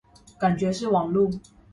感覺是網路